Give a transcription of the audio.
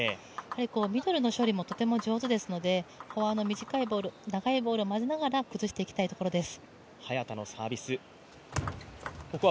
ミドルの処理もとても上手ですので、フォアの短いボール、長いボールを混ぜながら崩していきたいところです。